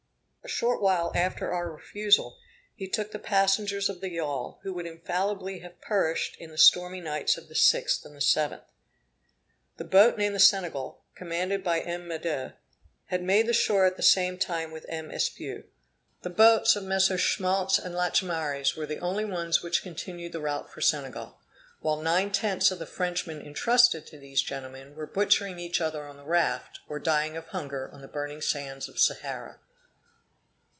A short while after our refusal, he took the passengers of the yawl, who would infallibly have perished in the stormy nights of the 6th and 7th. The boat named the Senegal, commanded by M. Maudet, had made the shore at the same time with M. Espiau. The boats of MM. Schmaltz and Lachaumareys were the only ones which continued the route for Senegal, while nine tenths of the Frenchmen intrusted to these gentlemen were butchering each other on the raft, or dying of hunger on the burning sands of Sahara.